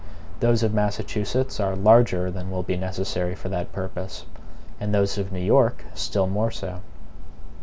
Those of Massachusetts are larger than will be necessary for that purpose; and those of New York still more so.